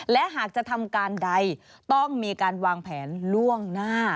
และหากจะทำการใดต้องมีการวางแผนล่วงหน้า